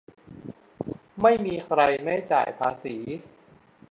- ไม่มีใครไม่จ่ายภาษี